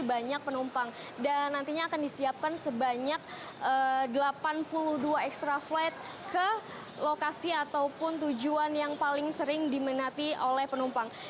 banyak penumpang dan nantinya akan disiapkan sebanyak delapan puluh dua extra flight ke lokasi ataupun tujuan yang paling sering diminati oleh penumpang